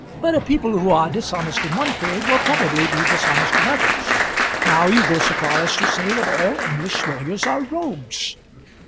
"But a people who are dishonest in one trade will probably be dishonest in others. Now, you go so far as to say that all English lawyers are rogues."